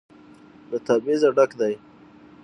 له تبعيضه ډک دى.